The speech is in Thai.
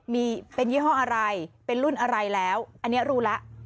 มีเป็นยี่ห้ออะไรเป็นรุ่นอะไรแล้วอันนี้รู้แล้ว